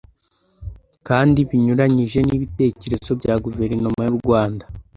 kandi binyuranyije n'ibitekerezo bya guverinoma y'u rwanda.